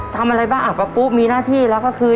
ทำอะไรบ้างอ่ะป้าปุ๊มีหน้าที่แล้วก็คือ